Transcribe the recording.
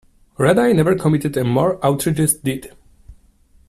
Red-Eye never committed a more outrageous deed.